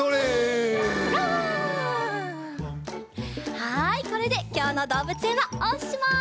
はいこれできょうのどうぶつえんはおしまい。